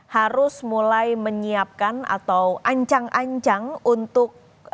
harus mulai menyiapkan atau ancang ancang untuk